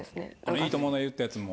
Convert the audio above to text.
『いいとも！』の言ったやつも？